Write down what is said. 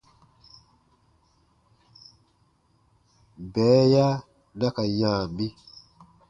Bɛɛya na ka yã mi.